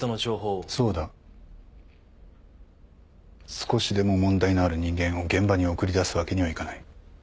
少しでも問題のある人間を現場に送り出すわけにはいかない。